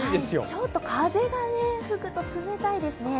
ちょっと風が吹くと冷たいですね。